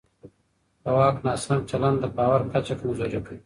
د واک ناسم چلند د باور کچه کمزوری کوي